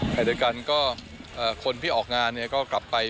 ใครโดยกันก็คนที่ออกงานก็กลับไป